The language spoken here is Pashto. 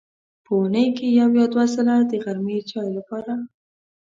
په اوونۍ کې یو یا دوه ځله د غرمې چای لپاره.